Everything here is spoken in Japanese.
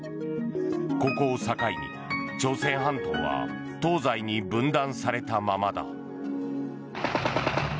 ここを境に朝鮮半島は東西に分断されたままだ。